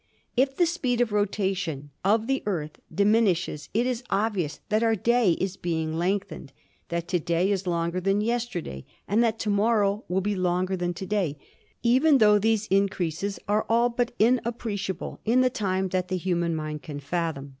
If the speed of rotation of the Earth diminishes it is obvious that our day is being lengthened, that to day is longer than yesterday and that to morrow will be longer than to day, even tho these in creases are all but inappreciable in the time that the human mind can fathom.